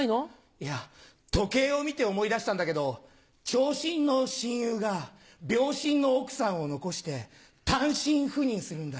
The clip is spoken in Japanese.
いや時計を見て思い出したんだけどチョウシンの親友がビョウシンの奥さんを残してタンシン赴任するんだ。